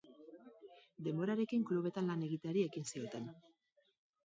Denborarekin klubetan lan egiteari ekin zioten.